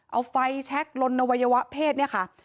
เอาไฟแช็คลนอวัยวะเพศเนี่ยค่ะ